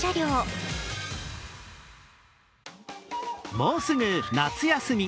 もうすぐ夏休み。